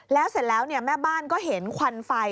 แล้วเสร็จแล้วแม่บ้านก็เห็นควันไฟ